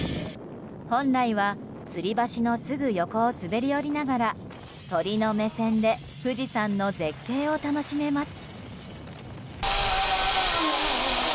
本来は、つり橋のすぐ横を滑り降りながら鳥の目線で富士山の絶景を楽しめます。